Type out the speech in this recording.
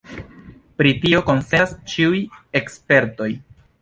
Pri tio konsentas ĉiuj ekspertoj.